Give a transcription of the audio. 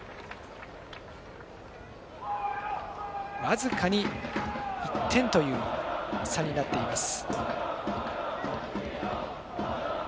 僅かに１点という差になっています。